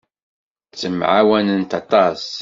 Ttemɛawanent aṭas.